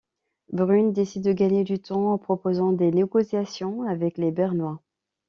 Brune décide de gagner du temps en proposant des négociations avec les Bernois.